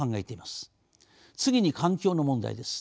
次に環境の問題です。